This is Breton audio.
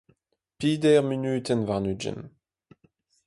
peder munutenn warn-ugent.